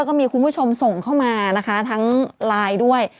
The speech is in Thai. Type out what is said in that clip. ก็มีคุณผู้ชมส่งเข้ามานะคะทั้งไลน์ด้วย